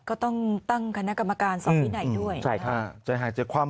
ก็ต้องตั้งคณะกรรมการสอบที่ไหนด้วยใช่ค่ะจะหาเจอความ